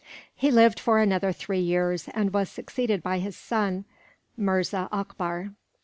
He lived for another three years, and was succeeded by his son, Mirza Akbar.